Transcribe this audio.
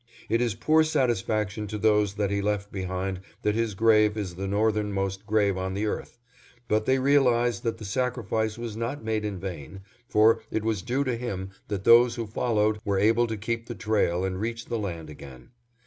It is poor satisfaction to those that he left behind that his grave is the northern most grave on the earth; but they realize that the sacrifice was not made in vain, for it was due to him that those who followed were able to keep the trail and reach the land again.